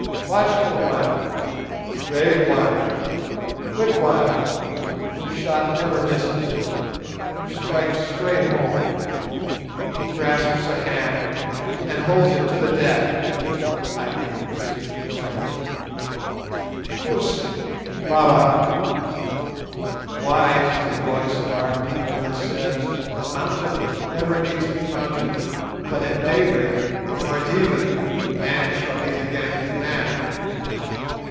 watchful one! brave one! quick one! whose shot never misses, who strikes straight home, who grasps a hand and holds it to the death (i.e. is a true friend) Koos! Baba! Wise is the voice of our people that says, 'Mountain never meets with mountain, but at daybreak or at even man shall meet again with man.